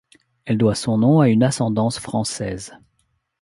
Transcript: Elle doit son nom à une ascendance française.